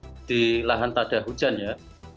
jadi lahan tanda hujan ya